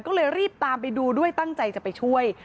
ก็เลยรีบตามไปดูด้วยตั้งใจจะไปช่วย